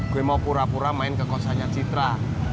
gue mau pura pura main ke kosanya citra